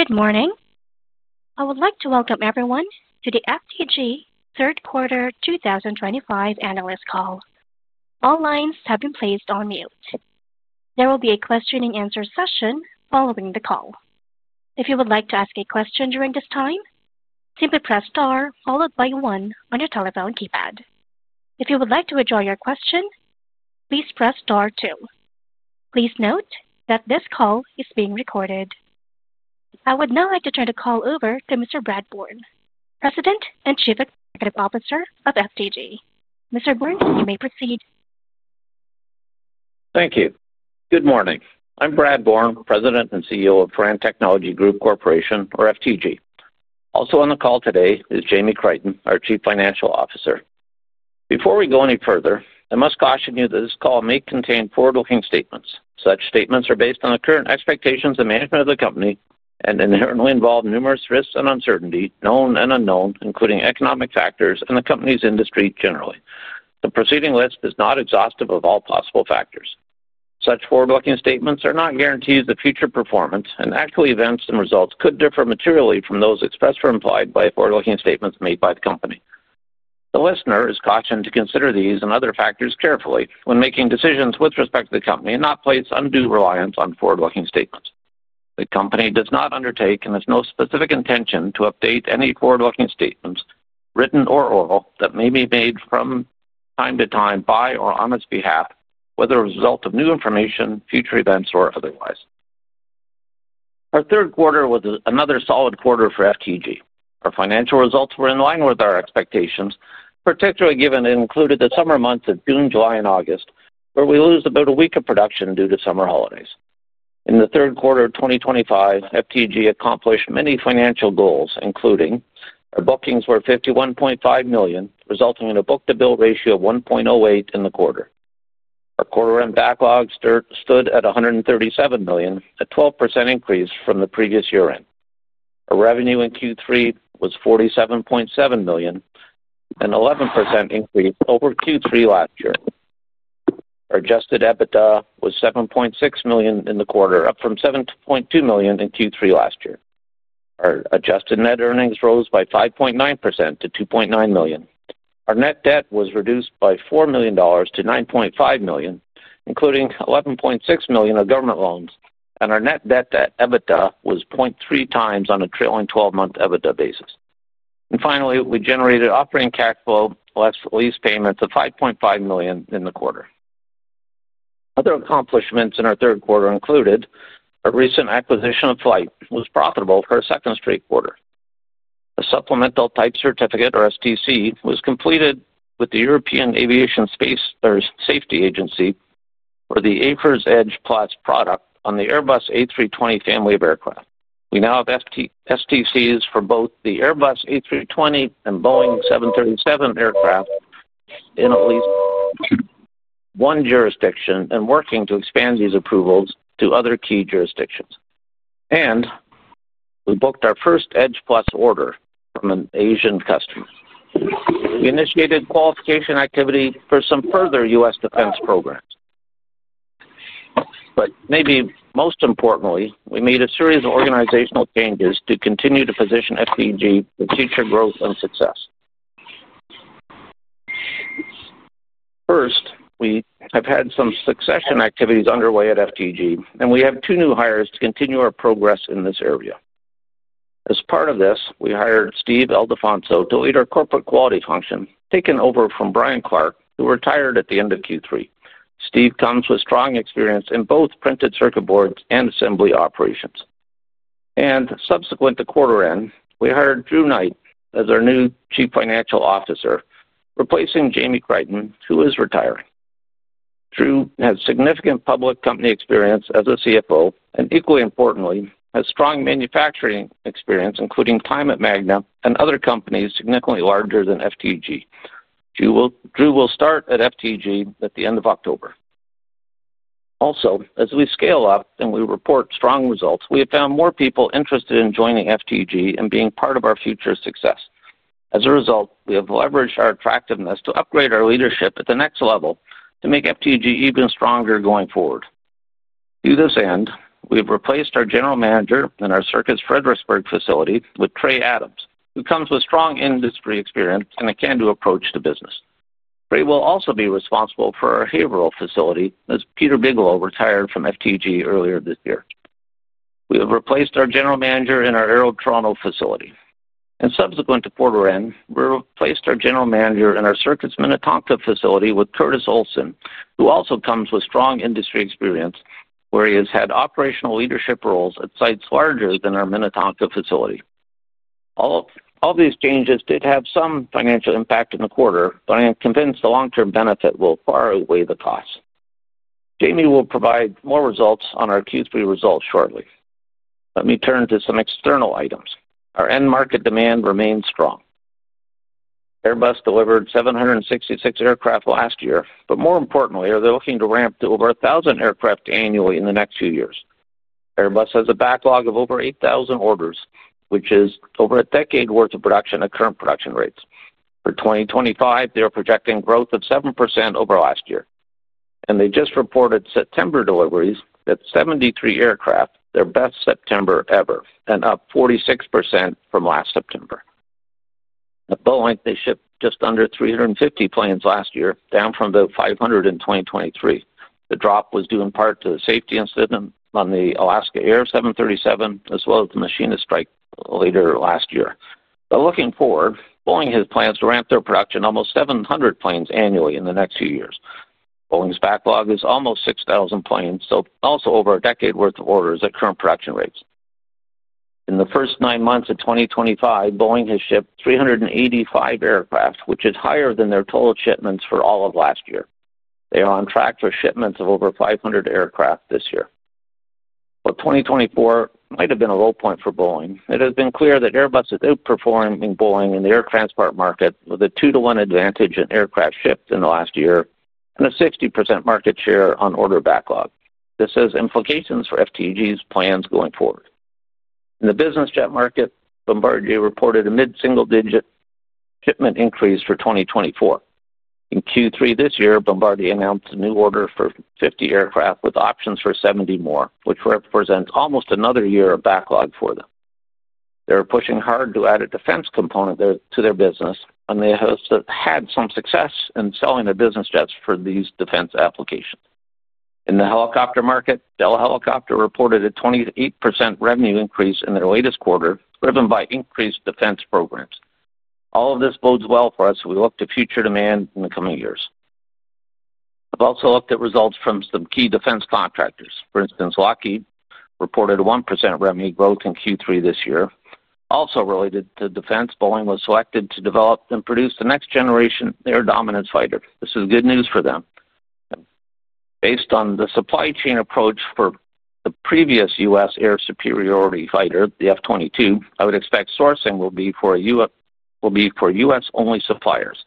Good morning. I would like to welcome everyone to the FTG third quarter 2025 analyst call. All lines have been placed on mute. There will be a question-and-answer session following the call. If you would like to ask a question during this time, simply press star followed by one on your telephone keypad. If you would like to withdraw your question, please press star two. Please note that this call is being recorded. I would now like to turn the call over to Mr. Brad Bourne, President and Chief Executive Officer of FTG. Mr. Bourne, you may proceed. Thank you. Good morning. I'm Brad Bourne, President and CEO of Firan Technology Group Corporation, or FTG. Also on the call today is Jamie Crichton, our Chief Financial Officer. Before we go any further, I must caution you that this call may contain forward-looking statements. Such statements are based on the current expectations of management of the company and inherently involve numerous risks and uncertainty, known and unknown, including economic factors and the company's industry generally. The preceding list is not exhaustive of all possible factors. Such forward-looking statements are not guarantees of future performance, and actual events and results could differ materially from those expressed or implied by forward-looking statements made by the company. The listener is cautioned to consider these and other factors carefully when making decisions with respect to the company and not place undue reliance on forward-looking statements. The company does not undertake and has no specific intention to update any forward-looking statements, written or oral, that may be made from time to time by or on its behalf, whether a result of new information, future events, or otherwise. Our third quarter was another solid quarter for FTG. Our financial results were in line with our expectations, particularly given it included the summer months of June, July, and August, where we lose about a week of production due to summer holidays. In the third quarter of 2025, FTG accomplished many financial goals, including our bookings were 51.5 million, resulting in a book-to-bill ratio of 1.08 in the quarter. The quarter-end backlog stood at 137 million, a 12% increase from the previous year-end. Our revenue in Q3 was 47.7 million, an 11% increase over Q3 last year. Our adjusted EBITDA was 7.6 million in the quarter, up from 7.2 million in Q3 last year. Our adjusted net earnings rose by 5.9% to 2.9 million. Our net debt was reduced by 4 million dollars to 9.5 million, including 11.6 million of government loans, and our net debt to EBITDA was 0.3 times on a trailing 12-month EBITDA basis. Finally, we generated operating cash flow plus lease payments of 5.5 million in the quarter. Other accomplishments in our third quarter included our recent acquisition of FLYHT, which was profitable for a second straight quarter. A supplemental type certificate, or STC, was completed with the European Aviation Safety Agency for the AFIRS Edge Plus product on the Airbus A320 family of aircraft. We now have STCs for both the Airbus A320 and Boeing 737 aircraft in at least one jurisdiction, and we are working to expand these approvals to other key jurisdictions. We booked our first Edge Plus order from an Asian customer. We initiated qualification activity for some further U.S. defense programs. Maybe most importantly, we made a series of organizational changes to continue to position FTG for future growth and success. First, we have had some succession activities underway at FTG, and we have two new hires to continue our progress in this area. As part of this, we hired Steve Eldefonso to lead our Corporate Quality function, taking over from Brian Clark, who retired at the end of Q3. Steve comes with strong experience in both printed circuit boards and assembly operations. Subsequent to quarter end, we hired Drew Knight as our new Chief Financial Officer, replacing Jamie Crichton, who is retiring. Drew has significant public company experience as a CFO and, equally importantly, has strong manufacturing experience, including time at Magnum and other companies significantly larger than FTG. Drew will start at FTG at the end of October. As we scale up and we report strong results, we have found more people interested in joining FTG and being part of our future success. As a result, we have leveraged our attractiveness to upgrade our leadership at the next level to make FTG even stronger going forward. To this end, we have replaced our General Manager in our Circuits Fredericksburg facility with Trey Adams, who comes with strong industry experience and a can-do approach to business. Trey will also be responsible for our Hearville facility, as Peter Bigelow retired from FTG earlier this year. We have replaced our General Manager in our Arrow Toronto facility. Subsequent to quarter end, we replaced our General Manager in our Circuits Minnetonka facility with Curtis Olson, who also comes with strong industry experience, where he has had operational leadership roles at sites larger than our Minnetonka facility. All these changes did have some financial impact in the quarter, but I am convinced the long-term benefit will far outweigh the cost. Jamie will provide more results on our Q3 results shortly. Let me turn to some external items. Our end market demand remains strong. Airbus delivered 766 aircraft last year, but more importantly, they're looking to ramp to over 1,000 aircraft annually in the next few years. Airbus has a backlog of over 8,000 orders, which is over a decade's worth of production at current production rates. For 2025, they're projecting growth of 7% over last year. They just reported September deliveries at 73 aircraft, their best September ever, and up 46% from last September. At Boeing, they shipped just under 350 planes last year, down from about 500 in 2023. The drop was due in part to the safety incident on the Alaska Air 737, as well as the machine strike later last year. Looking forward, Boeing has plans to ramp their production to almost 700 planes annually in the next few years. Boeing's backlog is almost 6,000 planes, so also over a decade's worth of orders at current production rates. In the first nine months of 2025, Boeing has shipped 385 aircraft, which is higher than their total shipments for all of last year. They are on track for shipments of over 500 aircraft this year. While 2024 might have been a low point for Boeing, it has been clear that Airbus is outperforming Boeing in the air transport market with a two-to-one advantage in aircraft shipped in the last year and a 60% market share on order backlog. This has implications for FTG's plans going forward. In the business jet market, Bombardier reported a mid-single-digit shipment increase for 2024. In Q3 this year, Bombardier announced a new order for 50 aircraft with options for 70 more, which represents almost another year of backlog for them. They're pushing hard to add a defense component to their business, and they have had some success in selling their business jets for these defense applications. In the helicopter market, Bell Helicopter reported a 28% revenue increase in their latest quarter, driven by increased defense programs. All of this bodes well for us as we look to future demand in the coming years. I've also looked at results from some key defense contractors. For instance, Lockheed reported a 1% revenue growth in Q3 this year. Also related to defense, Boeing was selected to develop and produce the next generation air dominance fighter. This is good news for them. Based on the supply chain approach for the previous U.S. air superiority fighter, the F-22, I would expect sourcing will be for U.S.-only suppliers.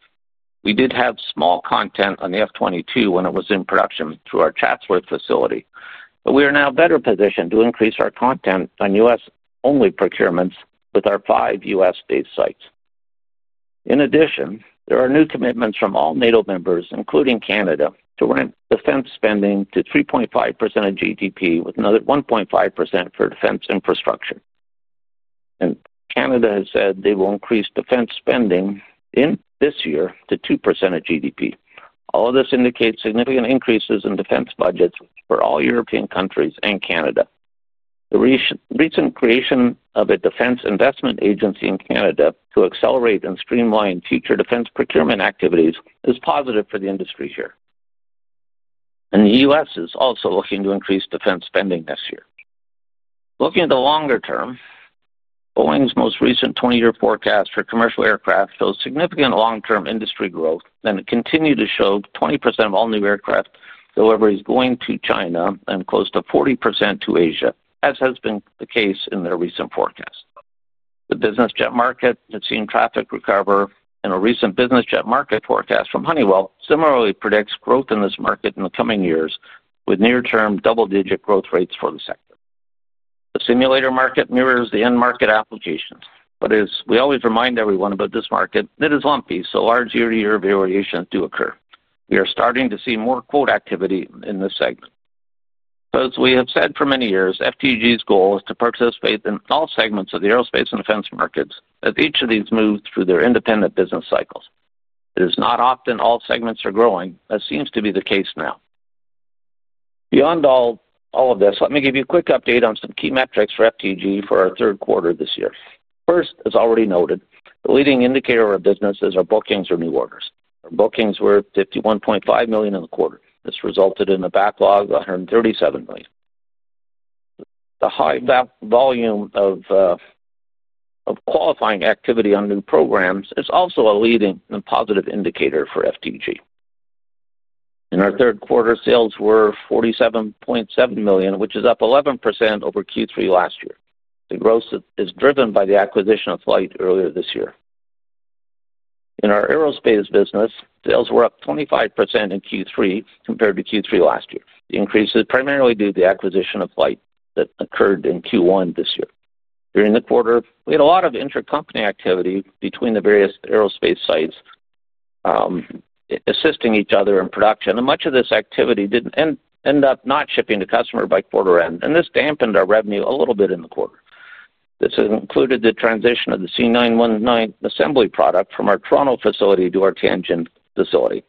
We did have small content on the F-22 when it was in production through our Chatsworth facility, but we are now better positioned to increase our content on U.S.-only procurements with our five U.S.-based sites. In addition, there are new commitments from all NATO members, including Canada, to ramp defense spending to 3.5% of GDP, with another 1.5% for defense infrastructure. Canada has said they will increase defense spending this year to 2% of GDP. All of this indicates significant increases in defense budgets for all European countries and Canada. The recent creation of a defense investment agency in Canada to accelerate and streamline future defense procurement activities is positive for the industry here. The U.S. is also looking to increase defense spending this year. Looking at the longer term, Boeing's most recent 20-year forecast for commercial aircraft shows significant long-term industry growth and continues to show 20% of all new aircraft deliveries going to China and close to 40% to Asia, as has been the case in their recent forecast. The business jet market has seen traffic recover, and a recent business jet market forecast from Honeywell similarly predicts growth in this market in the coming years, with near-term double-digit growth rates for the sector. The simulator market mirrors the end market applications, but as we always remind everyone about this market, it is lumpy, so large year-to-year variations do occur. We are starting to see more quote activity in this segment. As we have said for many years, FTG's goal is to participate in all segments of the aerospace and defense markets, as each of these moves through their independent business cycles. It is not often all segments are growing, as seems to be the case now. Beyond all of this, let me give you a quick update on some key metrics for FTG for our third quarter this year. First, as already noted, the leading indicator of our business is our bookings for new orders. Our bookings were 51.5 million in the quarter. This resulted in a backlog of 137 million. The high volume of qualifying activity on new programs is also a leading and positive indicator for FTG. In our third quarter, sales were 47.7 million, which is up 11% over Q3 last year. The growth is driven by the acquisition of FLYHT earlier this year. In our aerospace business, sales were up 25% in Q3 compared to Q3 last year. The increase is primarily due to the acquisition of FLYHT that occurred in Q1 this year. During the quarter, we had a lot of intercompany activity between the various aerospace sites assisting each other in production, and much of this activity did not end up shipping to customer by quarter end, and this dampened our revenue a little bit in the quarter. This included the transition of the C919 assembly product from our Toronto facility to our Tangent facility,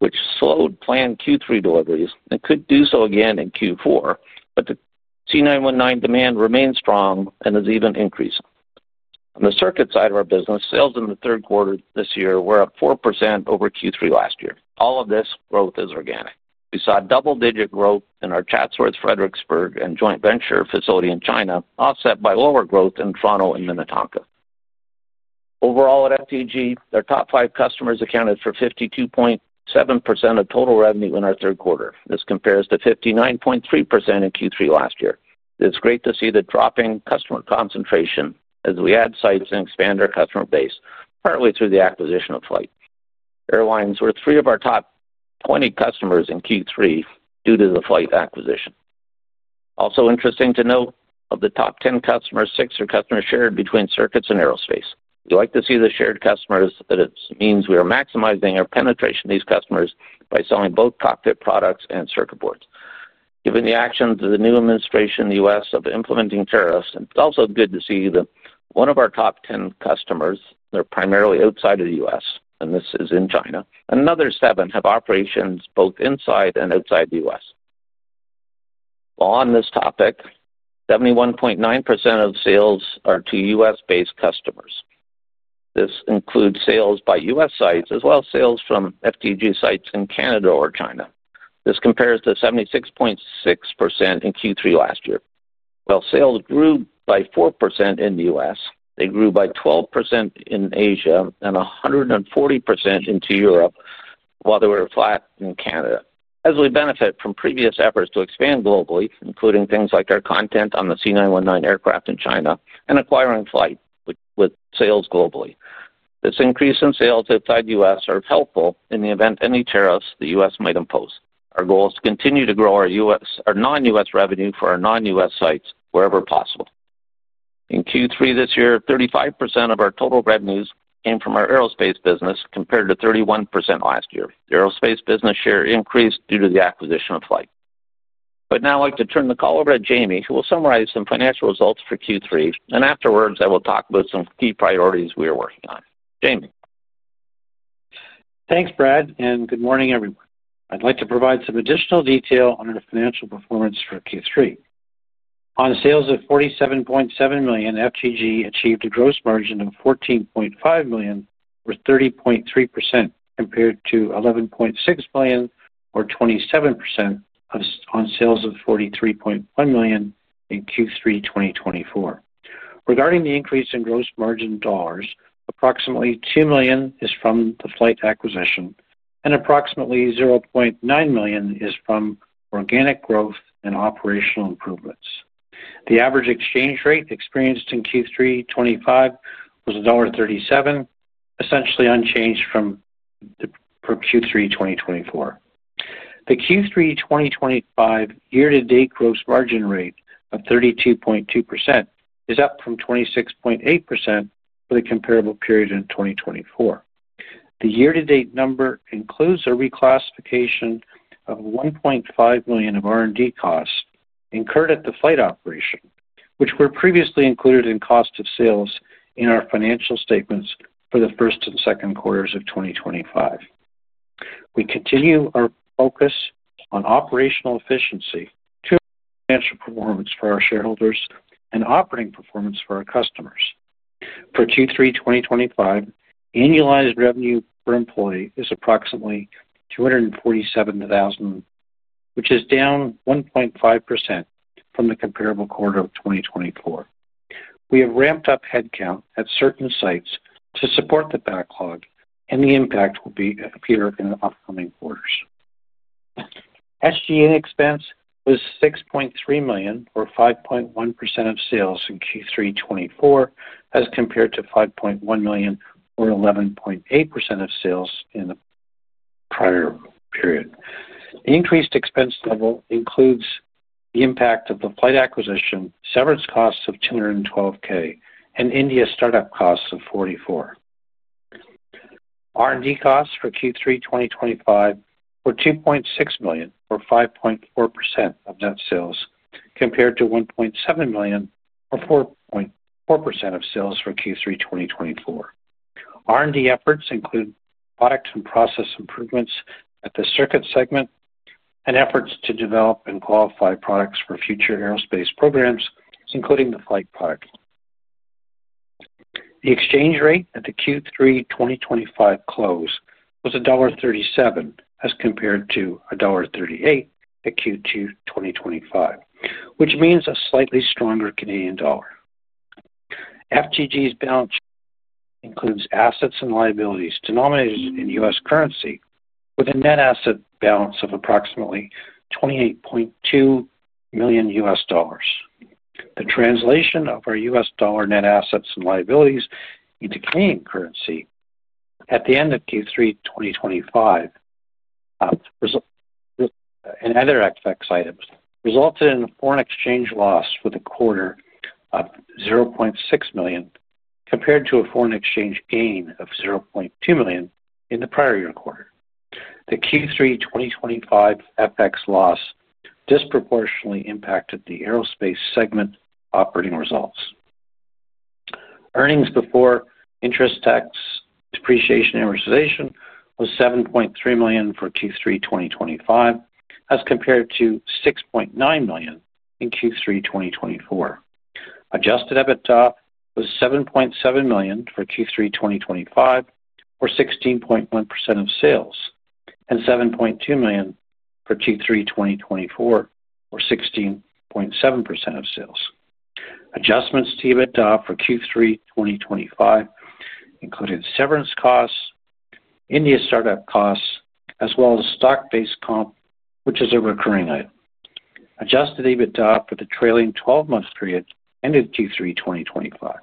which slowed planned Q3 deliveries and could do so again in Q4, but the C919 demand remains strong and is even increasing. On the circuit side of our business, sales in the third quarter this year were up 4% over Q3 last year. All of this growth is organic. We saw double-digit growth in our Chatsworth-Fredericksburg and joint venture facility in China, offset by lower growth in Toronto and Minnetonka. Overall, at FTG, our top five customers accounted for 52.7% of total revenue in our third quarter. This compares to 59.3% in Q3 last year. It's great to see the dropping customer concentration as we add sites and expand our customer base, partly through the acquisition of FLYHT. Airlines were three of our top 20 customers in Q3 due to the FLYHT acquisition. Also interesting to note, of the top 10 customers, six are customers shared between circuits and aerospace. We like to see the shared customers; it means we are maximizing our penetration of these customers by selling both cockpit products and circuit boards. Given the actions of the new administration in the U.S. of implementing tariffs, it's also good to see that one of our top 10 customers, they're primarily outside of the U.S., and this is in China, and another seven have operations both inside and outside the U.S. While on this topic, 71.9% of sales are to U.S.-based customers. This includes sales by U.S. sites as well as sales from FTG sites in Canada or China. This compares to 76.6% in Q3 last year. While sales grew by 4% in the U.S., they grew by 12% in Asia and 140% into Europe, while they were flat in Canada. As we benefit from previous efforts to expand globally, including things like our content on the C919 aircraft in China and acquiring FLYHT with sales globally, this increase in sales outside the U.S. is helpful in the event of any tariffs the U.S. might impose. Our goal is to continue to grow our non-U.S. revenue for our non-U.S. sites wherever possible. In Q3 this year, 35% of our total revenues came from our aerospace business, compared to 31% last year. The aerospace business share increased due to the acquisition of FLYHT. I'd now like to turn the call over to Jamie, who will summarize some financial results for Q3, and afterwards, I will talk about some key priorities we are working on. Jamie. Thanks, Brad, and good morning, everyone. I'd like to provide some additional detail on the financial performance for Q3. On sales of 47.7 million, FTG achieved a gross margin of 14.5 million, or 30.3%, compared to 11.6 million, or 27%, on sales of 43.1 million in Q3 2024. Regarding the increase in gross margin dollars, approximately 2 million is from the FLYHT acquisition, and approximately 0.9 million is from organic growth and operational improvements. The average exchange rate experienced in Q3 2025 was dollar 1.37, essentially unchanged from Q3 2024. The Q3 2025 year-to-date gross margin rate of 32.2% is up from 26.8% for the comparable period in 2024. The year-to-date number includes a reclassification of 1.5 million of R&D costs incurred at the FLYHT operation, which were previously included in cost of sales in our financial statements for the first and second quarters of 2025. We continue our focus on operational efficiency, financial performance for our shareholders, and operating performance for our customers. For Q3 2025, annualized revenue per employee is approximately 247,000, which is down 1.5% from the comparable quarter of 2024. We have ramped up headcount at certain sites to support the backlog, and the impact will appear in the upcoming quarters. SG&A expense was 6.3 million, or 5.1% of sales in Q3 2025, as compared to 5.1 million, or 11.8% of sales in the prior period. The increased expense level includes the impact of the FLYHT acquisition, severance costs of 212,000, and India startup costs of 44,000. R&D costs for Q3 2025 were 2.6 million, or 5.4% of net sales, compared to 1.7 million, or 4.4% of sales for Q3 2024. R&D efforts include product and process improvements at the circuit segment and efforts to develop and qualify products for future aerospace programs, including the FLYHT product. The exchange rate at the Q3 2025 close was dollar 1.37, as compared to dollar 1.38 at Q2 2025, which means a slightly stronger Canadian dollar. FTG's balance includes assets and liabilities denominated in U.S. currency, with a net asset balance of approximately $28.2 million. The translation of our U.S. dollar net assets and liabilities into Canadian currency at the end of Q3 2025 and other FX items resulted in foreign exchange loss for the quarter of 0.6 million, compared to a foreign exchange gain of 0.2 million in the prior year quarter. The Q3 2025 FX loss disproportionately impacted the aerospace segment operating results. Earnings before interest, tax, depreciation, and amortization was 7.3 million for Q3 2025, as compared to 6.9 million in Q3 2024. Adjusted EBITDA was 7.7 million for Q3 2025, or 16.1% of sales, and 7.2 million for Q3 2024, or 16.7% of sales. Adjustments to EBITDA for Q3 2025 included severance costs, India startup costs, as well as stock-based comp, which is a recurring item. Adjusted EBITDA for the trailing 12-month period ended Q3 2025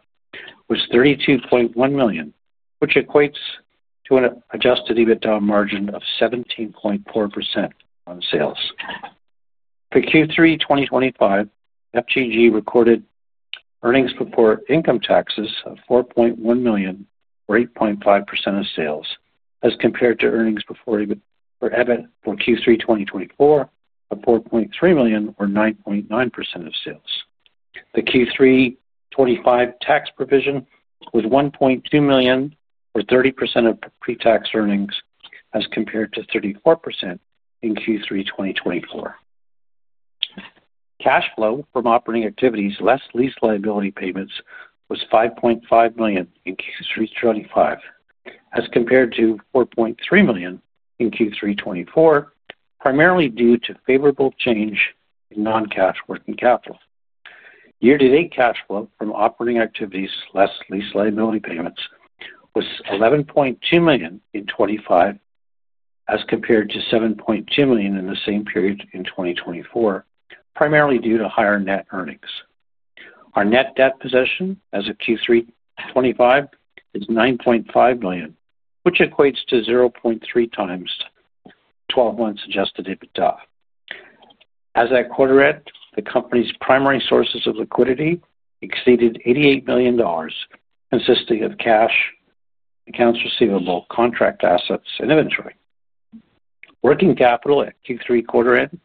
was 32.1 million, which equates to an adjusted EBITDA margin of 17.4% on sales. For Q3 2025, FTG recorded earnings before income taxes of 4.1 million, or 8.5% of sales, as compared to earnings before income taxes for Q3 2024 of 4.3 million, or 9.9% of sales. The Q3 2025 tax provision was 1.2 million, or 30% of pre-tax earnings, as compared to 34% in Q3 2024. Cash flow from operating activities, less lease liability payments, was 5.5 million in Q3 2025, as compared to 4.3 million in Q3 2024, primarily due to favorable change in non-cash working capital. Year-to-date cash flow from operating activities, less lease liability payments, was 11.2 million in 2025, as compared to 7.2 million in the same period in 2024, primarily due to higher net earnings. Our net debt position as of Q3 2025 is 9.5 million, which equates to 0.3 times 12 months adjusted EBITDA. As that quarter ended, the company's primary sources of liquidity exceeded 88 million dollars, consisting of cash, accounts receivable, contract assets, and inventory. Working capital at Q3 quarter end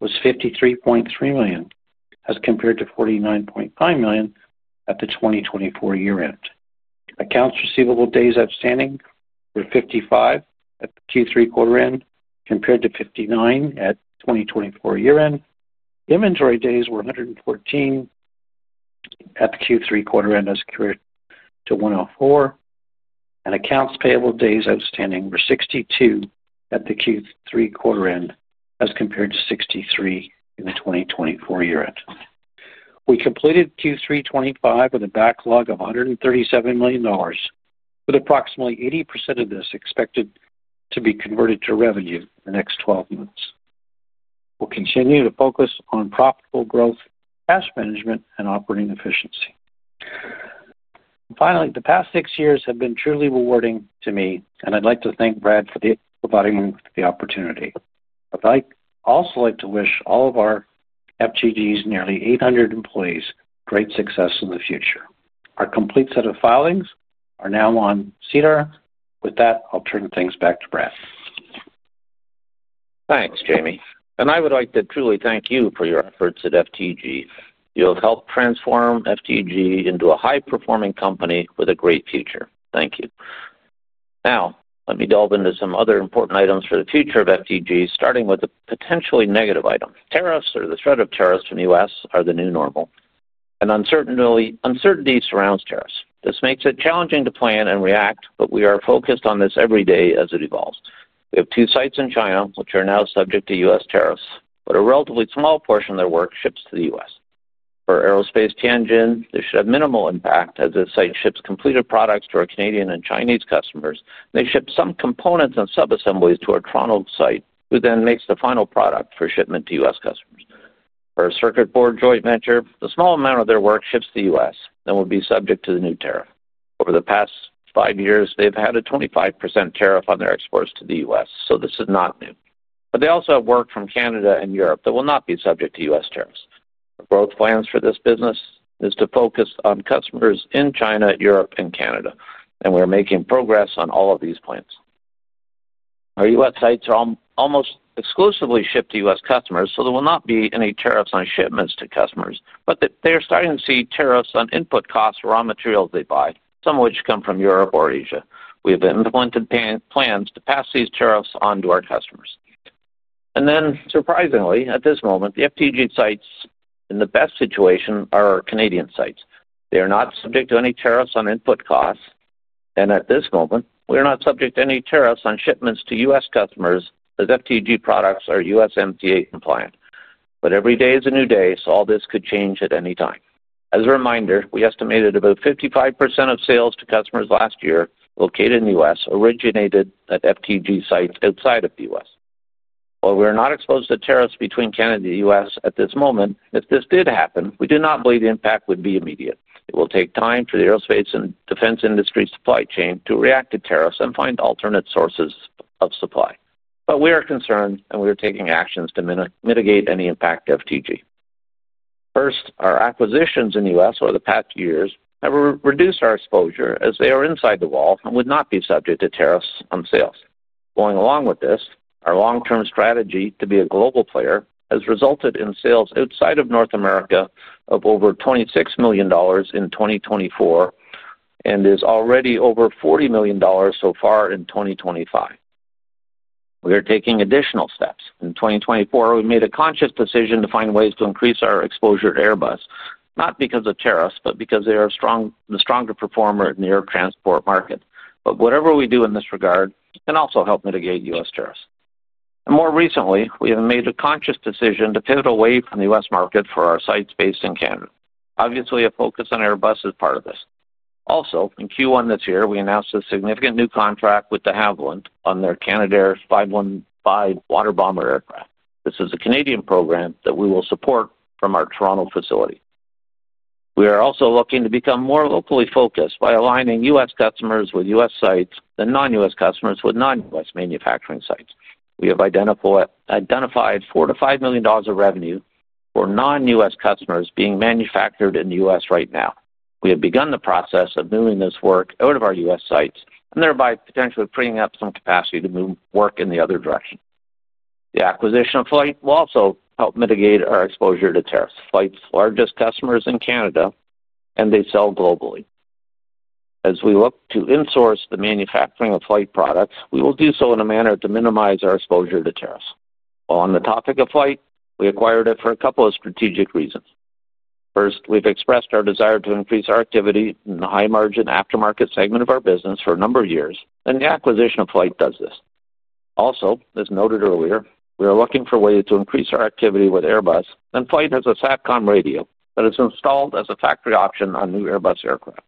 was 53.3 million, as compared to 49.5 million at the 2024 year end. Accounts receivable days outstanding were 55 at the Q3 quarter end, compared to 59 at the 2024 year end. Inventory days were 114 at the Q3 quarter end, as compared to 104, and accounts payable days outstanding were 62 at the Q3 quarter end, as compared to 63 in the 2024 year end. We completed Q3 2025 with a backlog of 137 million dollars, with approximately 80% of this expected to be converted to revenue in the next 12 months. We'll continue to focus on profitable growth, cash management, and operating efficiency. Finally, the past six years have been truly rewarding to me, and I'd like to thank Brad for providing me with the opportunity. I'd also like to wish all of our FTG's nearly 800 employees great success in the future. Our complete set of filings are now on SEDAR. With that, I'll turn things back to Brad. Thanks, Jamie. I would like to truly thank you for your efforts at FTG. You have helped transform FTG into a high-performing company with a great future. Thank you. Now, let me delve into some other important items for the future of FTG, starting with a potentially negative item. Tariffs or the threat of tariffs in the U.S. are the new normal, and uncertainty surrounds tariffs. This makes it challenging to plan and react, but we are focused on this every day as it evolves. We have two sites in China, which are now subject to U.S. tariffs, but a relatively small portion of their work ships to the U.S. For aerospace Tangent, this should have minimal impact, as this site ships completed products to our Canadian and Chinese customers, and they ship some components and sub-assemblies to our Toronto site, who then makes the final product for shipment to U.S. customers. For a circuit board joint venture, a small amount of their work ships to the U.S. and will be subject to the new tariff. Over the past five years, they've had a 25% tariff on their exports to the U.S., so this is not new. They also have work from Canada and Europe that will not be subject to U.S. tariffs. Our growth plans for this business are to focus on customers in China, Europe, and Canada, and we are making progress on all of these plans. Our U.S. sites are almost exclusively shipped to U.S. customers, so there will not be any tariffs on shipments to customers, but they are starting to see tariffs on input costs for raw materials they buy, some of which come from Europe or Asia. We have implemented plans to pass these tariffs on to our customers. At this moment, the FTG sites in the best situation are our Canadian sites. They are not subject to any tariffs on input costs, and at this moment, we are not subject to any tariffs on shipments to U.S. customers as FTG products are U.S. MTA compliant. Every day is a new day, so all this could change at any time. As a reminder, we estimated about 55% of sales to customers last year located in the U.S. originated at FTG sites outside of the U.S. While we are not exposed to tariffs between Canada and the U.S. at this moment, if this did happen, we do not believe the impact would be immediate. It will take time for the aerospace and defense industry supply chain to react to tariffs and find alternate sources of supply. We are concerned, and we are taking actions to mitigate any impact to FTG. First, our acquisitions in the U.S. over the past years have reduced our exposure as they are inside the wall and would not be subject to tariffs on sales. Going along with this, our long-term strategy to be a global player has resulted in sales outside of North America of over 26 million dollars in 2024 and is already over 40 million dollars so far in 2025. We are taking additional steps. In 2024, we made a conscious decision to find ways to increase our exposure to Airbus, not because of tariffs, but because they are the stronger performer in the air transport market. Whatever we do in this regard can also help mitigate U.S. tariffs. More recently, we have made a conscious decision to pivot away from the U.S. market for our sites based in Canada. Obviously, a focus on Airbus is part of this. Also, in Q1 this year, we announced a significant new contract with De Havilland Canada on their Canadair 515 water bomber aircraft. This is a Canadian program that we will support from our Toronto facility. We are also looking to become more locally focused by aligning U.S. customers with U.S. sites and non-U.S. customers with non-U.S. manufacturing sites. We have identified 4 million-5 million dollars of revenue for non-U.S. customers being manufactured in the U.S. right now. We have begun the process of moving this work out of our U.S. sites and thereby potentially freeing up some capacity to move work in the other direction. The acquisition of FLYHT will also help mitigate our exposure to tariffs. FLYHT is the largest customer in Canada, and they sell globally. As we look to insource the manufacturing of FLYHT products, we will do so in a manner to minimize our exposure to tariffs. While on the topic of FLYHT, we acquired it for a couple of strategic reasons. First, we've expressed our desire to increase our activity in the high-margin aftermarket segment of our business for a number of years, and the acquisition of FLYHT does this. Also, as noted earlier, we are looking for ways to increase our activity with Airbus, and FLYHT has a SACOM radio that is installed as a factory option on new Airbus aircraft.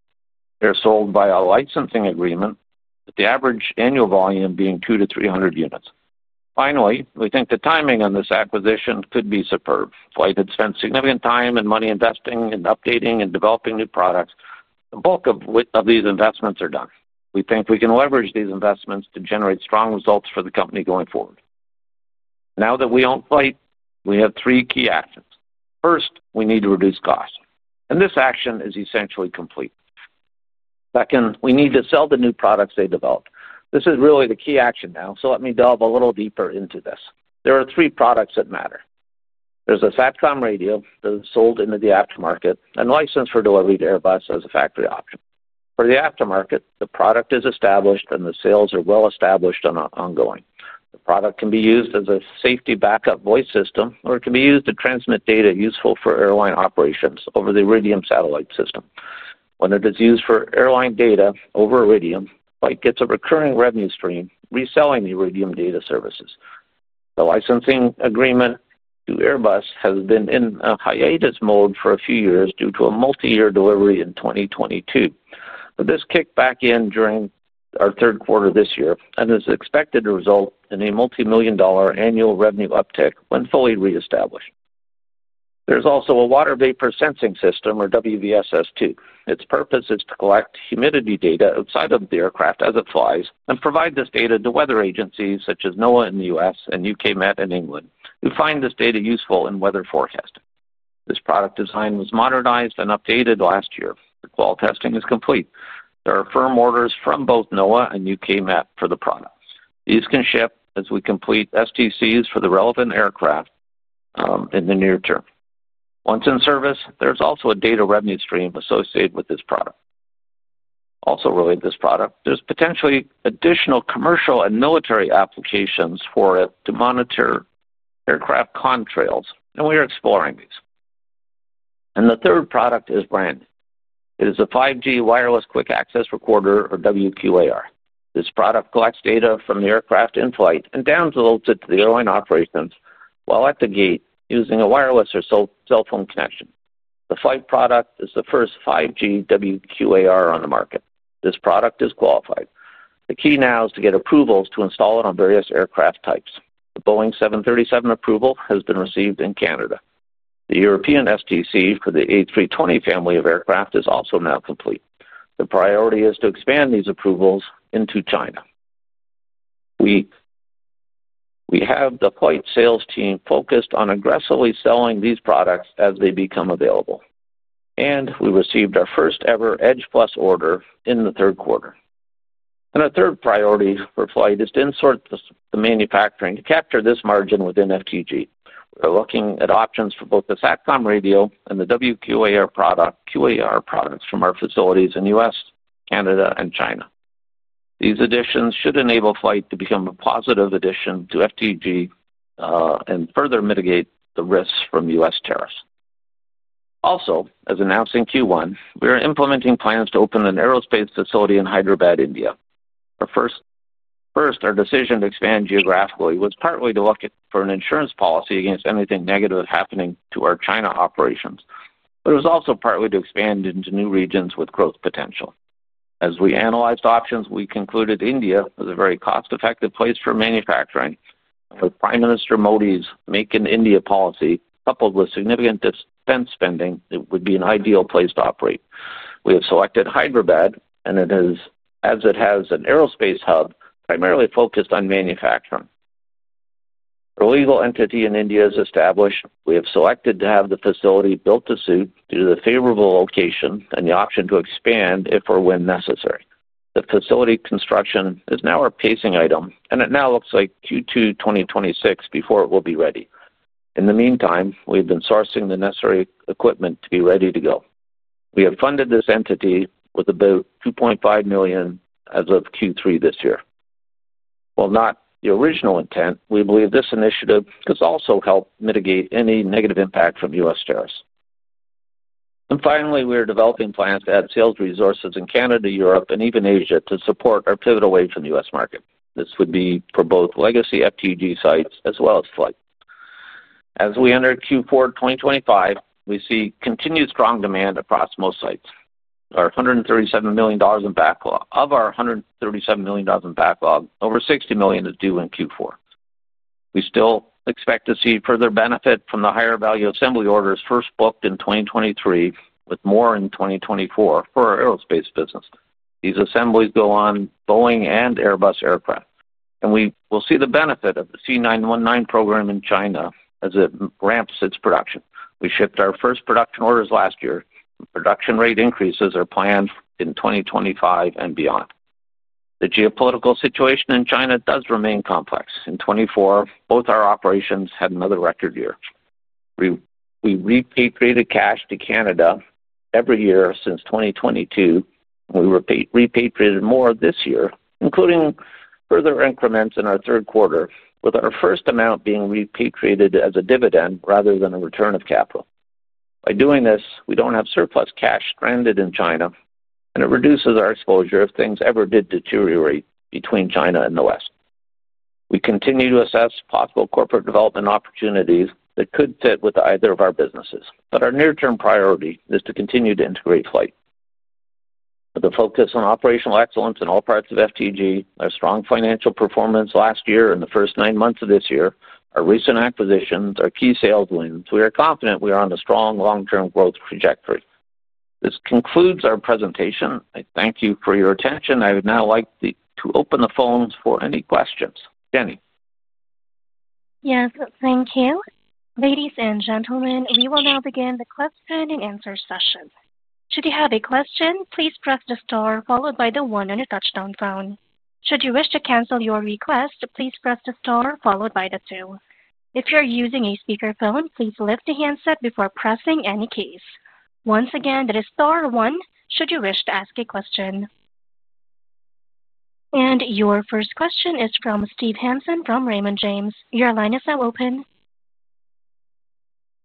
They are sold by a licensing agreement, with the average annual volume being 200-300 units. Finally, we think the timing on this acquisition could be superb. FLYHT had spent significant time and money investing in updating and developing new products. The bulk of these investments are done. We think we can leverage these investments to generate strong results for the company going forward. Now that we own FLYHT, we have three key actions. First, we need to reduce costs, and this action is essentially complete. Second, we need to sell the new products they develop. This is really the key action now, so let me delve a little deeper into this. There are three products that matter. There's a SACOM radio that is sold into the aftermarket and licensed for delivery to Airbus as a factory option. For the aftermarket, the product is established and the sales are well established and ongoing. The product can be used as a safety backup voice system, or it can be used to transmit data useful for airline operations over the Iridium satellite system. When it is used for airline data over Iridium, FLYHT gets a recurring revenue stream reselling the Iridium data services. The licensing agreement to Airbus has been in a hiatus mode for a few years due to a multi-year delivery in 2022. This kicked back in during our third quarter this year and is expected to result in a multimillion-dollar annual revenue uptick when fully reestablished. There's also a water vapor sensing system, or WVSS2. Its purpose is to collect humidity data outside of the aircraft as it flies and provide this data to weather agencies such as NOAA in the U.S. and UKMET in England. We find this data useful in weather forecasting. This product design was modernized and updated last year. The quality testing is complete. There are firm orders from both NOAA and UKMET for the product. These can ship as we complete STCs for the relevant aircraft in the near term. Once in service, there's also a data revenue stream associated with this product. Also related to this product, there's potentially additional commercial and military applications for it to monitor aircraft contrails, and we are exploring these. The third product is AFIRS Edge Plus. It is a 5G wireless quick access recorder, or WQAR. This product collects data from the aircraft in flight and downloads it to the airline operations while at the gate using a wireless or cell phone connection. The FLYHT product is the first 5G WQAR on the market. This product is qualified. The key now is to get approvals to install it on various aircraft types. The Boeing 737 approval has been received in Canada. The European STC for the A320 family of aircraft is also now complete. The priority is to expand these approvals into China. We have the FLYHT sales team focused on aggressively selling these products as they become available, and we received our first-ever AFIRS Edge Plus order in the third quarter. Our third priority for FLYHT is to insource the manufacturing to capture this margin within FTG. We're looking at options for both the SACOM radio and the 5G WQAR products from our facilities in the U.S., Canada, and China. These additions should enable FLYHT to become a positive addition to FTG and further mitigate the risks from U.S. tariffs. Also, as announced in Q1, we are implementing plans to open an aerospace facility in Hyderabad, India. Our decision to expand geographically was partly to look for an insurance policy against anything negative happening to our China operations, but it was also partly to expand into new regions with growth potential. As we analyzed options, we concluded India is a very cost-effective place for manufacturing, and with Prime Minister Modi's Make in India policy, coupled with significant defense spending, it would be an ideal place to operate. We have selected Hyderabad, as it has an aerospace hub primarily focused on manufacturing. A legal entity in India is established. We have selected to have the facility built to suit due to the favorable location and the option to expand if or when necessary. The facility construction is now our pacing item, and it now looks like Q2 2026 before it will be ready. In the meantime, we have been sourcing the necessary equipment to be ready to go. We have funded this entity with about 2.5 million as of Q3 this year. While not the original intent, we believe this initiative could also help mitigate any negative impact from U.S. tariffs. Finally, we are developing plans to add sales resources in Canada, Europe, and even Asia to support our pivot away from the U.S. market. This would be for both legacy FTG sites as well as FLYHT. As we enter Q4 2025, we see continued strong demand across most sites. Of our 137 million dollars in backlog, over 60 million is due in Q4. We still expect to see further benefit from the higher value assembly orders first booked in 2023, with more in 2024 for our aerospace business. These assemblies go on Boeing and Airbus aircraft, and we will see the benefit of the C919 program in China as it ramps its production. We shipped our first production orders last year. Production rate increases are planned in 2025 and beyond. The geopolitical situation in China does remain complex. In 2024, both our operations had another record year. We repatriated cash to Canada every year since 2022, and we repatriated more this year, including further increments in our third quarter, with our first amount being repatriated as a dividend rather than a return of capital. By doing this, we don't have surplus cash stranded in China, and it reduces our exposure if things ever did deteriorate between China and the West. We continue to assess possible corporate development opportunities that could fit with either of our businesses, but our near-term priority is to continue to integrate FLYHT. With a focus on operational excellence in all parts of FTG, our strong financial performance last year and the first nine months of this year, our recent acquisitions, our key sales wins, we are confident we are on a strong long-term growth trajectory. This concludes our presentation. I thank you for your attention. I would now like to open the phones for any questions. Jenny. Yes, thank you. Ladies and gentlemen, we will now begin the question-and-answer session. Should you have a question, please press the star followed by the one on your touch-tone phone. Should you wish to cancel your request, please press the star followed by the two. If you're using a speaker phone, please lift the handset before pressing any keys. Once again, that is star one should you wish to ask a question. Your first question is from Steve Hansen from Raymond James. Your line is now open.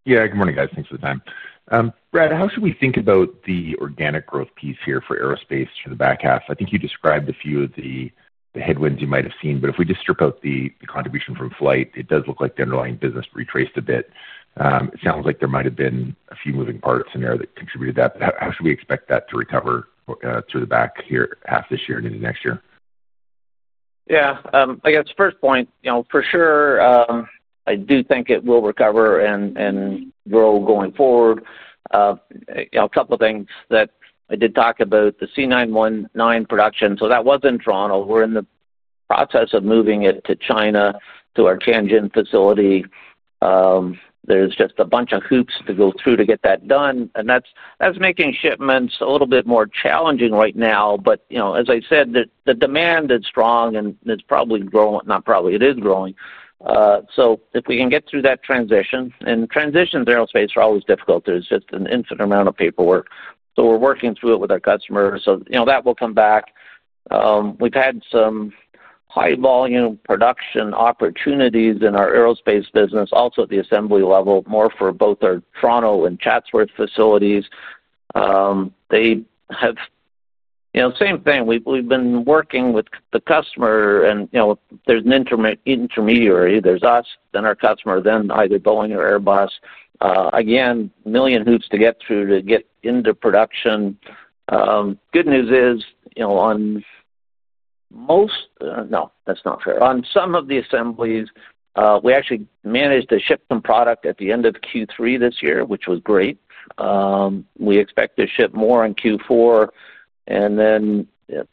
Good morning guys, thanks for the time. Brad, how should we think about the organic growth piece here for aerospace for the back half? I think you described a few of the headwinds you might have seen, but if we just strip out the contribution from FLYHT, it does look like the underlying business retraced a bit. It sounds like there might have been a few moving parts in there that contributed to that. How should we expect that to recover through the back half this year and into next year? Yeah, I guess first point, for sure, I do think it will recover and grow going forward. A couple of things that I did talk about, the C919 production, that was in Toronto. We're in the process of moving it to China to our Tangent facility. There are just a bunch of hoops to go through to get that done, and that's making shipments a little bit more challenging right now. As I said, the demand is strong and it's probably growing, not probably, it is growing. If we can get through that transition, and transitions in aerospace are always difficult, there's just an infinite amount of paperwork. We're working through it with our customers, that will come back. We've had some high volume production opportunities in our aerospace business, also at the assembly level, for both our Toronto and Chatsworth facilities. Same thing, we've been working with the customer and there's an intermediary, there's us, then our customer, then either Boeing or Airbus. Again, a million hoops to get through to get into production. Good news is, on some of the assemblies, we actually managed to ship some product at the end of Q3 this year, which was great. We expect to ship more in Q4, and then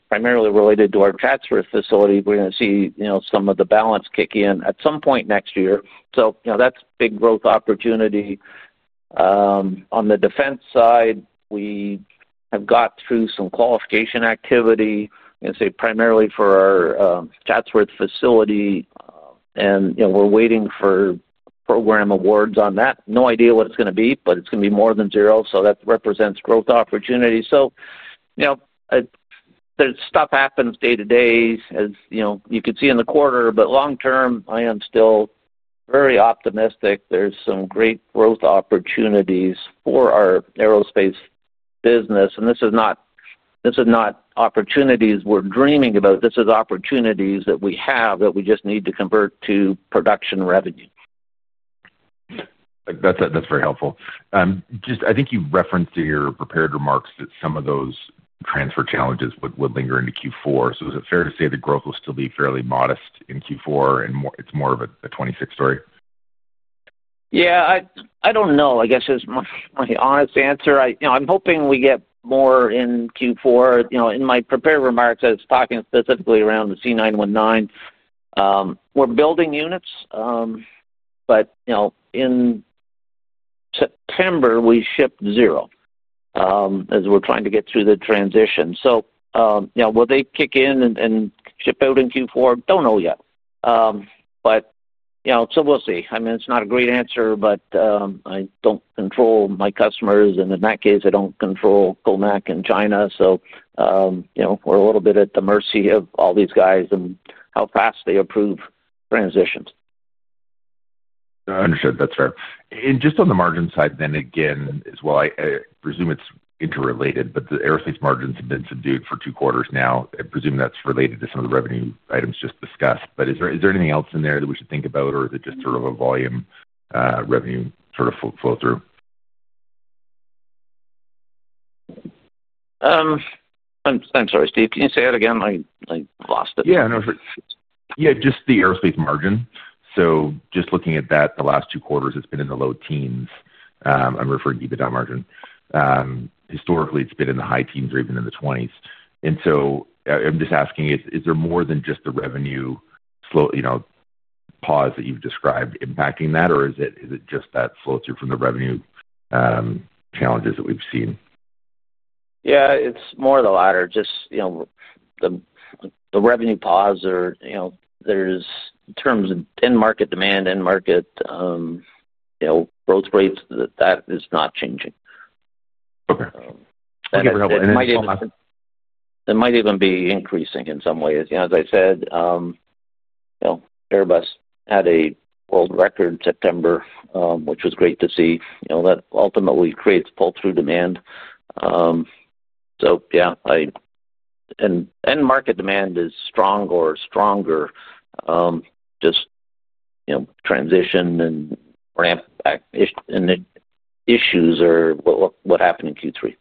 primarily related to our Chatsworth facility, we're going to see some of the balance kick in at some point next year. That's a big growth opportunity. On the defense side, we have got through some qualification activity, primarily for our Chatsworth facility, and we're waiting for program awards on that. No idea what it's going to be, but it's going to be more than zero, so that represents growth opportunities. Stuff happens day to day, as you know, you could see in the quarter, but long term, I am still very optimistic there's some great growth opportunities for our aerospace business. This is not opportunities we're dreaming about, this is opportunities that we have that we just need to convert to production revenue. That's very helpful. I think you referenced in your prepared remarks that some of those transfer challenges would linger into Q4. Is it fair to say the growth will still be fairly modest in Q4 and it's more of a 2026 story? Yeah, I don't know, I guess is my honest answer. I'm hoping we get more in Q4. In my prepared remarks, I was talking specifically around the C919. We're building units, but in September, we shipped zero as we're trying to get through the transition. Will they kick in and ship out in Q4? Don't know yet. We'll see. It's not a great answer, but I don't control my customers, and in that case, I don't control COMAC in China. We're a little bit at the mercy of all these guys and how fast they approve transitions. Understood, that's fair. Just on the margin side then again as well, I presume it's interrelated, but the aerospace margins have been subdued for two quarters now. I presume that's related to some of the revenue items just discussed. Is there anything else in there that we should think about, or is it just sort of a volume revenue sort of flow through? I'm sorry, Steve, can you say that again? I lost it. Yeah, sure. Just the aerospace margin. Just looking at that, the last two quarters, it's been in the low teens. I'm referring to EBITDA margin. Historically, it's been in the high teens or even in the 20s. I'm just asking, is there more than just the revenue slow, you know, pause that you've described impacting that, or is it just that flow through from the revenue challenges that we've seen? Yeah, it's more of the latter. Just, you know, the revenue pause or, you know, in terms of end market demand, end market, you know, growth rates, that is not changing. Okay. It might even be increasing in some ways. As I said, Airbus had a world record in September, which was great to see. That ultimately creates pull-through demand. End market demand is strong or stronger. Just transition and ramp back issues are what happened in Q3.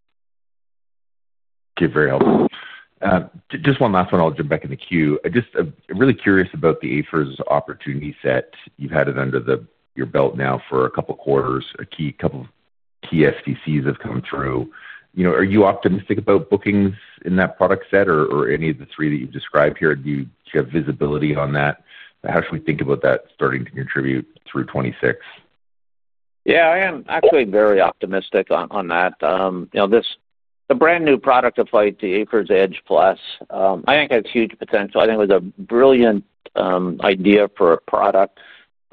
Okay, very helpful. Just one last one, I'll jump back into Q. I'm just really curious about the AFIRS opportunity set. You've had it under your belt now for a couple of quarters. A couple of key STCs have come through. Are you optimistic about bookings in that product set or any of the three that you've described here? Do you have visibility on that? How should we think about that starting to contribute through 2026? Yeah, I am actually very optimistic on that. You know, this is a brand new product of FLYHT, the AFIRS Edge Plus. I think it has huge potential. I think it was a brilliant idea for a product.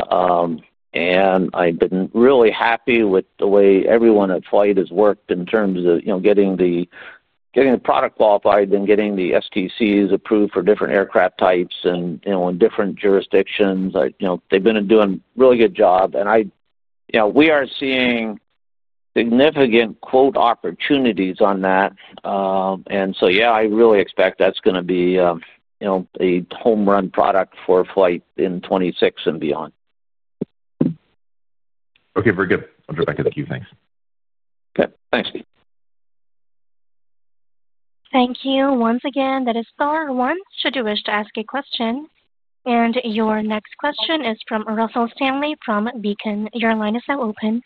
I've been really happy with the way everyone at FLYHT has worked in terms of getting the product qualified and getting the STCs approved for different aircraft types in different jurisdictions. They've been doing a really good job. We are seeing significant quote opportunities on that. I really expect that's going to be a home run product for FLYHT in 2026 and beyond. Okay, very good. I'll jump back into Q. Thanks. Okay, thanks. Thank you. Once again, that is star one should you wish to ask a question. Your next question is from Russell Stanley from Beacon. Your line is now open.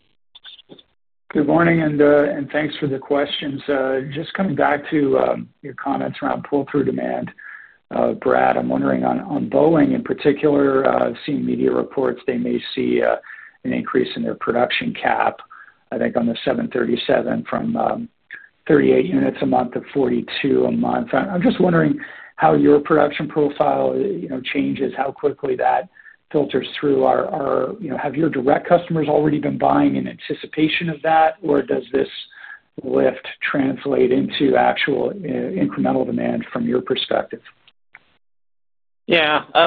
Good morning and thanks for the questions. Just coming back to your comments around pull-through demand. Brad, I'm wondering on Boeing in particular, seeing media reports, they may see an increase in their production cap. I think on the 737 from 38 units a month to 42 a month. I'm just wondering how your production profile changes, how quickly that filters through, have your direct customers already been buying in anticipation of that, or does this lift translate into actual incremental demand from your perspective? Yeah, I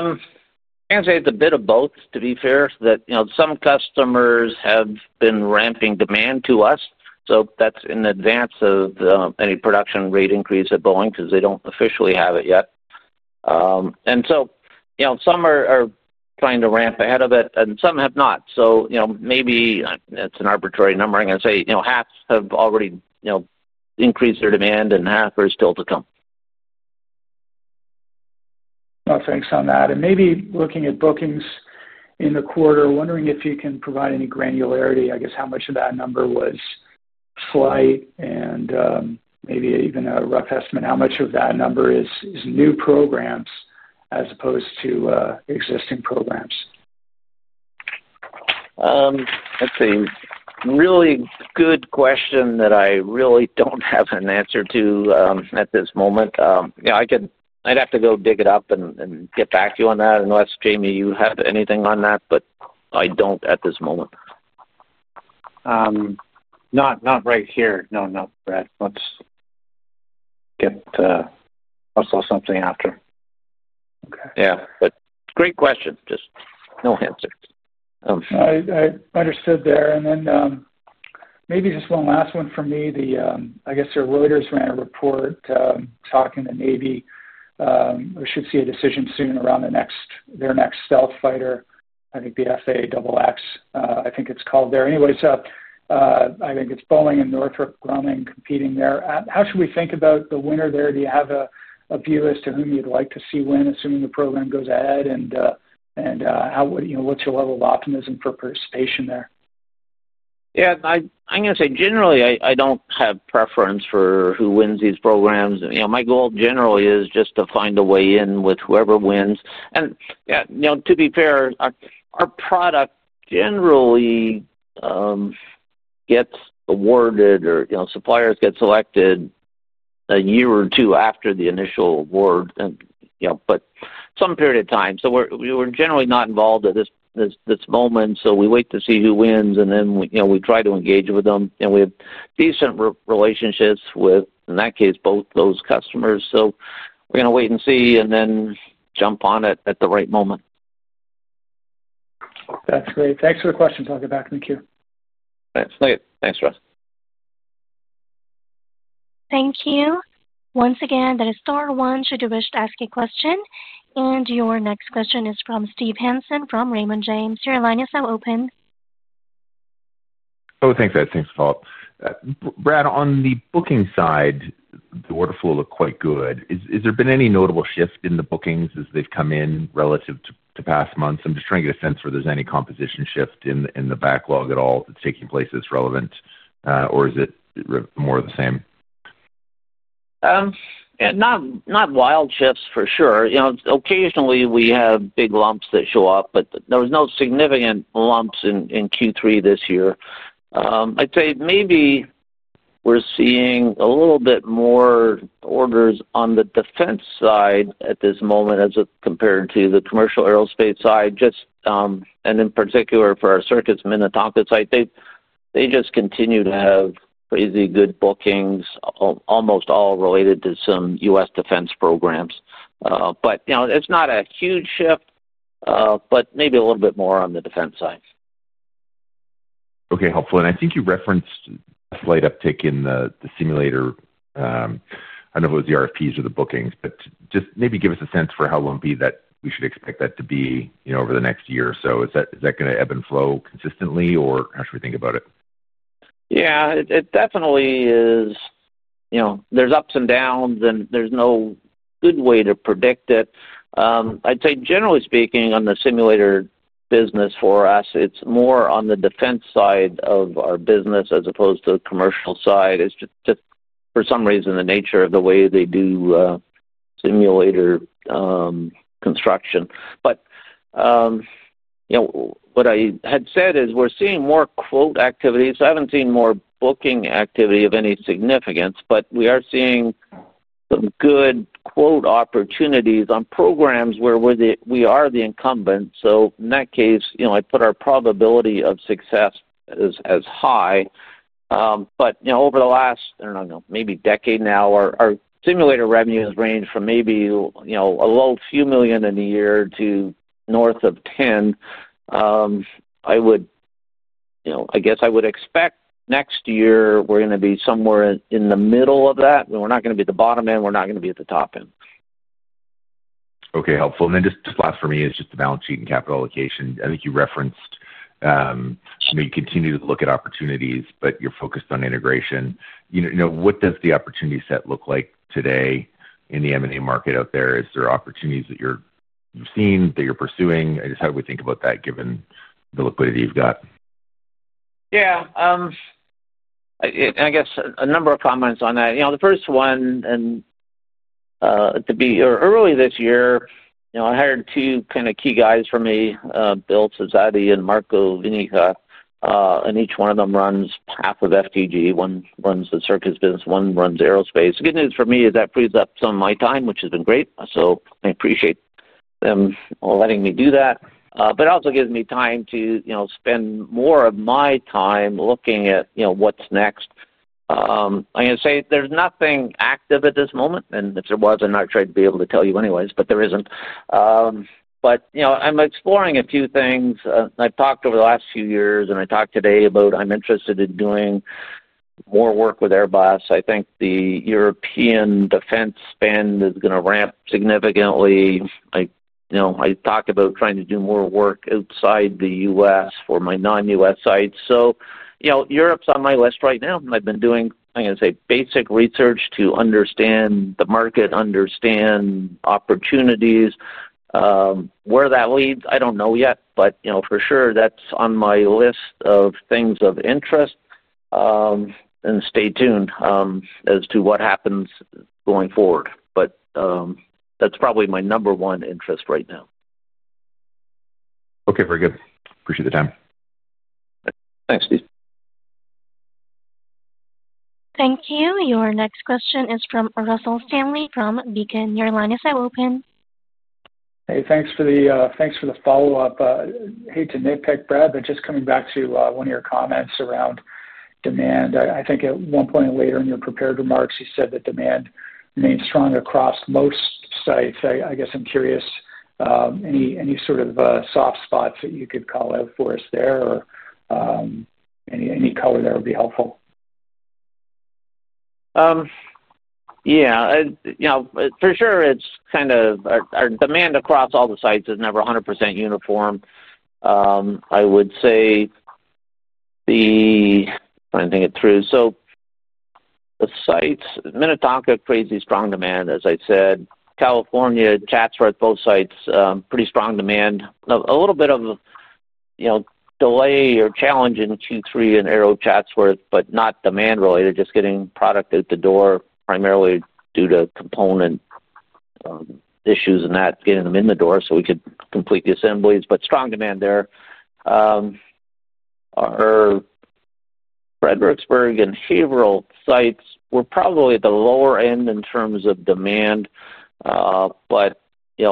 can say it's a bit of both, to be fair, that some customers have been ramping demand to us. That's in advance of any production rate increase at Boeing because they don't officially have it yet. Some are trying to ramp ahead of it and some have not. Maybe it's an arbitrary number. I'm going to say half have already increased their demand and half are still to come. Thank you for that. Maybe looking at bookings in the quarter, wondering if you can provide any granularity. I guess how much of that number was FLYHT, and maybe even a rough estimate how much of that number is new programs as opposed to existing programs? That's a really good question that I don't have an answer to at this moment. I'd have to go dig it up and get back to you on that. I don't know if Jamie, you have anything on that, but I don't at this moment. Not right here. No, Brad. Let's get to also something after. Okay, great question. Just no answer. I understood there. Maybe just one last one from me. I guess their loaders went into report talking to Navy. We should see a decision soon around their next stealth fighter. I think the F/A-XX, I think it's called there. Anyways, I think it's Boeing and Northrop Grumman competing there. How should we think about the winner there? Do you have a view as to whom you'd like to see win, assuming the program goes ahead? How, you know, what's your level of optimism for participation there? Yeah, I'm going to say generally, I don't have preference for who wins these programs. My goal generally is just to find a way in with whoever wins. To be fair, our product generally gets awarded or suppliers get selected a year or two after the initial award, but some period of time. We're generally not involved at this moment. We wait to see who wins, and then we try to engage with them. We have decent relationships with, in that case, both those customers. We're going to wait and see and then jump on it at the right moment. That's great. Thanks for the question. Getting back in the queue. Thanks. Thanks, Russ. Thank you. Once again, that is star one should you wish to ask a question. Your next question is from Steve Hansen from Raymond James. Your line is now open. Oh, thanks. Thanks for the follow-up. Brad, on the booking side, the order flow looked quite good. Has there been any notable shift in the bookings as they've come in relative to past months? I'm just trying to get a sense for if there's any composition shift in the backlog at all that's taking place that's relevant, or is it more of the same? Not wild shifts for sure. Occasionally we have big lumps that show up, but there were no significant lumps in Q3 this year. I'd say maybe we're seeing a little bit more orders on the defense side at this moment as compared to the commercial aerospace side, just, and in particular for our circuits Minnetonka site. They just continue to have crazy good bookings, almost all related to some U.S. defense programs. It's not a huge shift, but maybe a little bit more on the defense side. Okay, helpful. I think you referenced FLYHT uptake in the simulator. I don't know if it was the RFPs or the bookings, but just maybe give us a sense for how long it would be that we should expect that to be, you know, over the next year or so. Is that going to ebb and flow consistently, or how should we think about it? Yeah, it definitely is, you know, there's ups and downs, and there's no good way to predict it. I'd say generally speaking, on the simulator business for us, it's more on the defense side of our business as opposed to the commercial side. It's just for some reason the nature of the way they do simulator construction. What I had said is we're seeing more quote activity. I haven't seen more booking activity of any significance, but we are seeing some good quote opportunities on programs where we are the incumbent. In that case, I put our probability of success as high. Over the last, I don't know, maybe a decade now, our simulator revenues range from maybe a little few million in a year to north of 10 million. I would, I guess I would expect next year we're going to be somewhere in the middle of that. We're not going to be at the bottom end. We're not going to be at the top end. Okay, helpful. Just the last for me is the balance sheet and capital allocation. I think you referenced, you know, you continue to look at opportunities, but you're focused on integration. What does the opportunity set look like today in the M&A market out there? Are there opportunities that you've seen that you're pursuing? How do we think about that given the liquidity you've got? Yeah, I guess a number of comments on that. The first one, and to be early this year, I hired two kind of key guys for me, Bill Cesadi and Marco Vinica, and each one of them runs half of FTG. One runs the circuits business, one runs aerospace. The good news for me is that frees up some of my time, which has been great. I appreciate them letting me do that. It also gives me time to spend more of my time looking at what's next. I'm going to say there's nothing active at this moment, and if there was, I'd try to be able to tell you anyways, but there isn't. I am exploring a few things. I've talked over the last few years, and I talked today about I'm interested in doing more work with Airbus. I think the European defense spend is going to ramp significantly. I talk about trying to do more work outside the U.S. for my non-U.S. sites. Europe's on my list right now. I've been doing, I'm going to say, basic research to understand the market, understand opportunities. Where that leads, I don't know yet, but for sure that's on my list of things of interest. Stay tuned as to what happens going forward. That's probably my number one interest right now. Okay, very good. Appreciate the time. Thanks, Steve. Thank you. Your next question is from Russell Stanley from Beacon. Your line is now open. Hey, thanks for the follow-up. To NAPIC, Brad, just coming back to one of your comments around demand. I think at one point later in your prepared remarks, you said that demand remains strong across most sites. I'm curious, any sort of soft spots that you could call out for us there, or any color there would be helpful? Yeah, for sure, it's kind of our demand across all the sites is never 100% uniform. I would say the, I'm trying to think it through. The sites, Minnetonka, crazy strong demand, as I said. California, Chatsworth, both sites, pretty strong demand. A little bit of delay or challenge in Q3 in Arrow, Chatsworth, not demand related, just getting product out the door primarily due to component issues and that, getting them in the door so we could complete the assemblies. Strong demand there. Our Fredericksburg and Haverhill sites were probably at the lower end in terms of demand.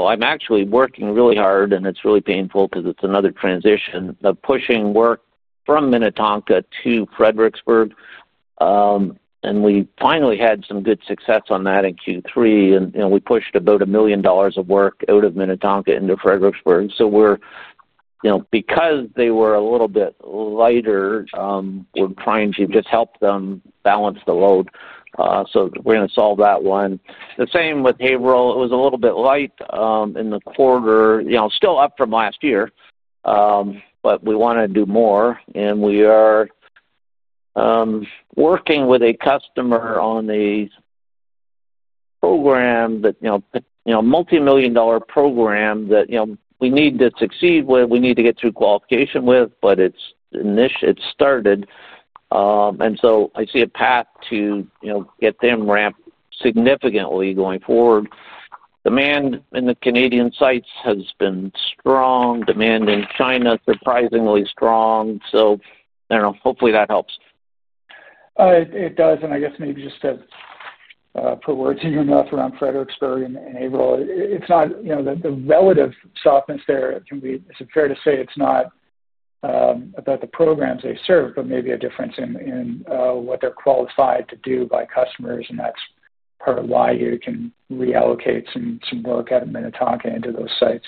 I'm actually working really hard, and it's really painful because it's another transition of pushing work from Minnetonka to Fredericksburg. We finally had some good success on that in Q3. We pushed about 1 million dollars of work out of Minnetonka into Fredericksburg. Because they were a little bit lighter, we're trying to just help them balance the load. We're going to solve that one. The same with Haverhill, it was a little bit light in the quarter, still up from last year. We want to do more. We are working with a customer on a program, a multimillion dollar program that we need to succeed with, we need to get through qualification with, but it's started. I see a path to get them ramped significantly going forward. Demand in the Canadian sites has been strong. Demand in China is surprisingly strong. I don't know, hopefully that helps. It does, and I guess maybe just to put words in your mouth around Fredericksburg and Haverhill, it's not, you know, the relative softness there. It can be, is it fair to say it's not about the programs they serve, but maybe a difference in what they're qualified to do by customers, and that's part of why you can reallocate some work out of Minnetonka into those sites.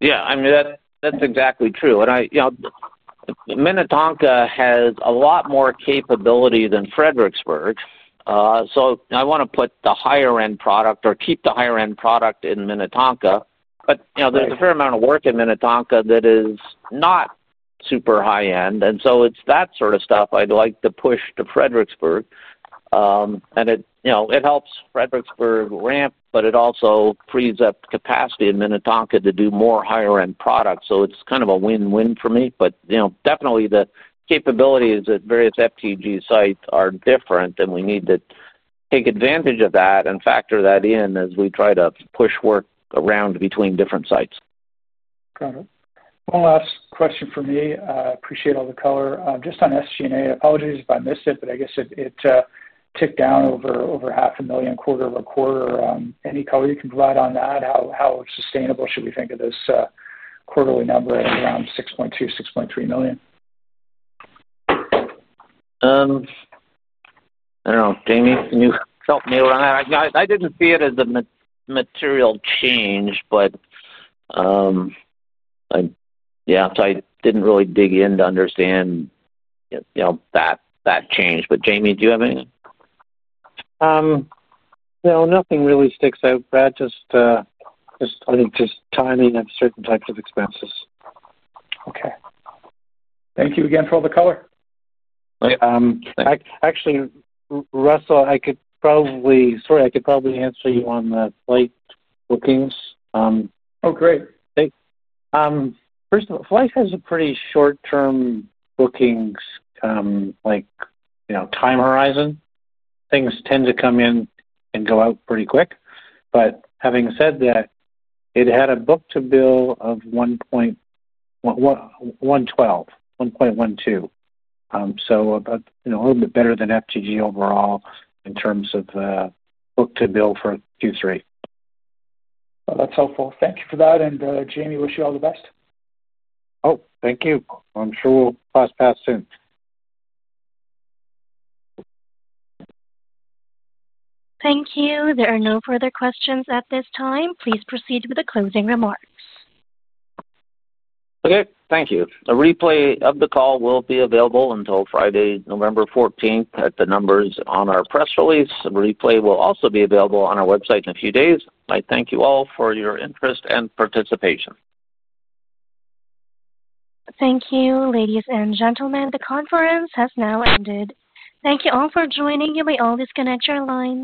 Yeah, I mean, that's exactly true. Minnetonka has a lot more capability than Fredericksburg. I want to put the higher-end product or keep the higher-end product in Minnetonka. There's a fair amount of work in Minnetonka that is not super high-end. It's that sort of stuff I'd like to push to Fredericksburg. It helps Fredericksburg ramp, but it also frees up capacity in Minnetonka to do more higher-end products. It's kind of a win-win for me. The capabilities at various FTG sites are different, and we need to take advantage of that and factor that in as we try to push work around between different sites. Got it. One last question from me. I appreciate all the color. Just on SG&A, apologies if I missed it, but I guess it ticked down over half a million quarter-over-quarter. Any color you can provide on that? How sustainable should we think of this quarterly number of around 6.2 million, 6.3 million? I don't know. Jamie, can you help me out on that? I didn't see it as a material change, so I didn't really dig in to understand that change. Jamie, do you have anything? No, nothing really sticks out, Brad. I think just timing of certain types of expenses. Okay. Thank you again for all the color. Thanks. Actually, Russell, I could probably answer you on the FLYHT bookings. Oh, great. Thanks. First of all, FLYHT has a pretty short-term bookings, like, you know, time horizon. Things tend to come in and go out pretty quick. Having said that, it had a book-to-bill of 1.12. A little bit better than FTG overall in terms of book-to-bill for Q3. That's helpful. Thank you for that. Jamie, wish you all the best. Oh, thank you. I'm sure we'll cross paths soon. Thank you. There are no further questions at this time. Please proceed with the closing remarks. Okay. Thank you. A replay of the call will be available until Friday, November 14 at the numbers on our press release. A replay will also be available on our website in a few days. I thank you all for your interest and participation. Thank you, ladies and gentlemen. The conference has now ended. Thank you all for joining. You may now disconnect your line.